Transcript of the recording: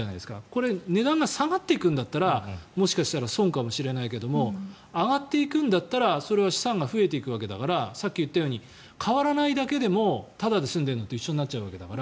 これ値段が下がっていくんだったらもしかしたら損かもしれないけど上がっていくんだったらそれは資産が増えていくわけだからさっき言ったように変わらないだけでもタダで住んでるのと一緒になるわけだから。